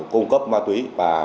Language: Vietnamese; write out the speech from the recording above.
cung cấp ma túy và ma túy